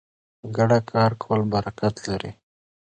په ګډه کار کول برکت لري.